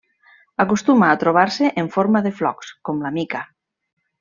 Acostuma a trobar-se en forma de flocs, com la mica.